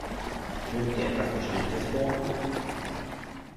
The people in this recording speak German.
Schwebt dir etwas Bestimmtes vor?